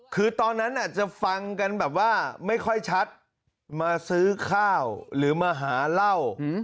คือตอนนั้นจะฟังกันแบบว่าไม่ค่อยชัดมาซื้อข้าวหรือมาหาเหล้า